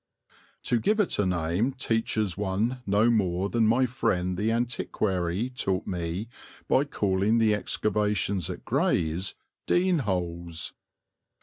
To give it a name teaches one no more than my friend the antiquary taught me by calling the excavations at Grays "dene holes."